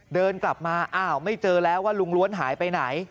เดินกลับมาอ้าวไม่เจอแล้วว่าลุงล้วนหายไปไหน